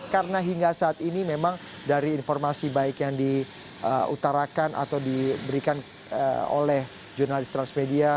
karena hingga saat ini memang dari informasi baik yang diutarakan atau diberikan oleh jurnalis transmedia